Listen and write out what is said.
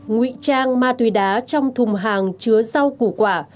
ngụy trang ma túy đá trong thùng hàng chứa rau củ quả